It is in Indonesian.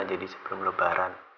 jadi sebelum lebaran